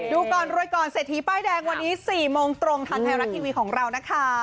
ดูก่อนรวยก่อนเศรษฐีป้ายแดงวันนี้๔โมงตรงทางไทยรัฐทีวีของเรานะคะ